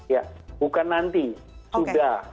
ya bukan nanti sudah